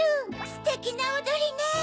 ステキなおどりね。